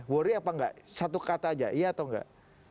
worry apa nggak satu kata aja iya atau nggak